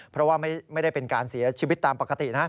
เพราะว่าไม่ได้เป็นการเสียชีวิตตามปกตินะ